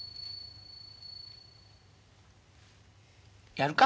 やるか。